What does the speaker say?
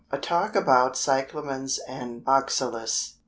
A Talk About Cyclamens and Oxalis.